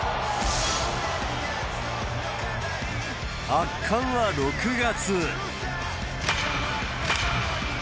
圧巻は６月。